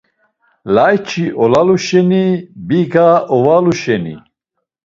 Layç̌i olalu şeni, biga ovalu şeni.